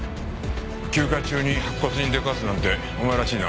休暇中に白骨に出くわすなんてお前らしいな。